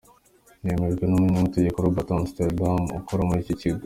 Byemejwe n'umunyamategeko Robert Amsterdam ukora muri icyo kigo.